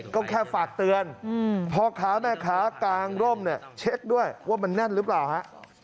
ก็แค่ฝากเตือนพ่อค้าแม่ค้ากางร่มเนี่ยเช็คด้วยว่ามันแน่นหรือเปล่าฮะ